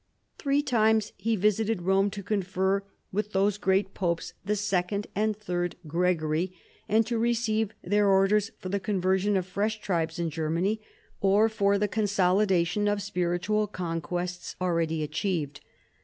Three times he visited E ome to confer with, those great popes, the second and the third Gregory, and to receive their orders for the conversion of fresli tribes in Germany, or for the consolidation of spirit ual conquests already achieved.